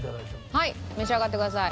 召し上がってください。